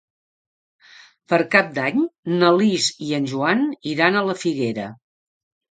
Per Cap d'Any na Lis i en Joan iran a la Figuera.